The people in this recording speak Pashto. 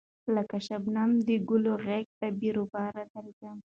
لکه شبنم د گلو غېږ ته بې رویباره درځم